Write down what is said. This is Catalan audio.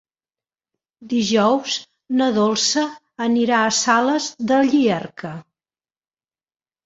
Dijous na Dolça anirà a Sales de Llierca.